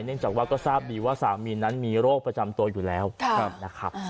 จากว่าก็ทราบดีว่าสามีนั้นมีโรคประจำตัวอยู่แล้วนะครับ